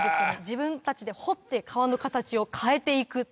自分たちで掘って川の形を変えて行くっていう。